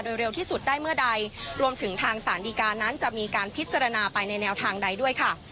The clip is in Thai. โดยเร็วที่สุดได้เมื่อใดรวมถึงทางสารดีการนั้นจะมีการพิจารณาไปในแนวทางใดด้วยค่ะ